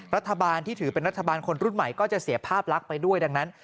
รัฐบาลที่ถือเป็นรัฐบาลคนรุ่นใหม่ก็จะเสียภาพลักษณ์ไปด้วยดังนั้น